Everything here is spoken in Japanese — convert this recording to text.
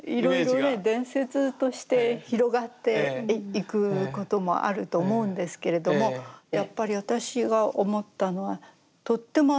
いろいろね伝説として広がっていくこともあると思うんですけれどもやっぱり私が思ったのはとってもあの人民。